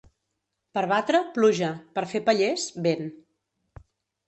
Per batre, pluja; per fer pallers, vent.